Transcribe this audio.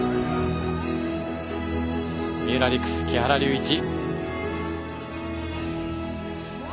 三浦璃来、木原龍一。